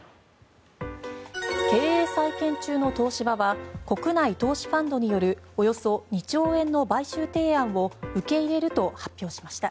経営再建中の東芝は国内投資ファンドによるおよそ２兆円の買収提案を受け入れると発表しました。